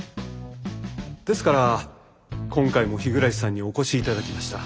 ですから今回も日暮さんにお越し頂きました。